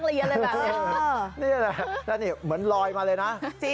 นี่แหละแล้วนี่เหมือนลอยมาเลยนะ